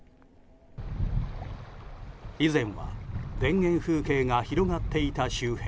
以前は田園風景が広がっていた周辺。